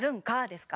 ですか。